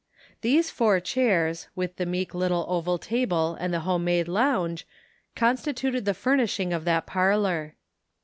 Those four chairs, with the meek little oval table and the home made lounge, constituted the furnishing of that parlor.